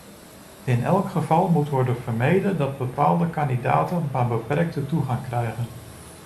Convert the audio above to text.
In elk geval moet worden vermeden dat bepaalde kandidaten maar beperkte toegang krijgen.